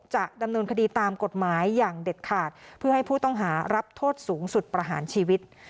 จะดำเนินคดีตามกฎหมายอย่างเด็ดขาดเพื่อให้ผู้ต้องหารับโทษสูงสุดประหารชีวิต